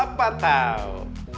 oh papa tau